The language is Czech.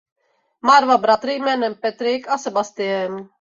Má dva bratry jménem Patrick a Sébastien.